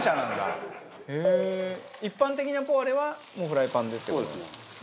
一般的なポワレはもうフライパンでって事。